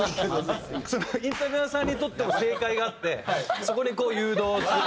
インタビュアーさんにとっての正解があってそこにこう誘導する。